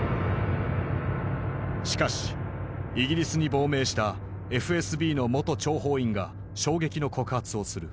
しかしイギリスに亡命したＦＳＢの元諜報員が衝撃の告発をする。